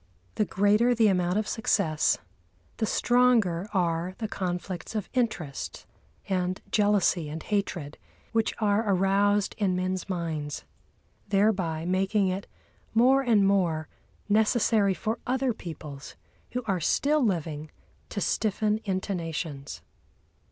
The greater the amount of success, the stronger are the conflicts of interest and jealousy and hatred which are aroused in men's minds, thereby making it more and more necessary for other peoples, who are still living, to stiffen into nations.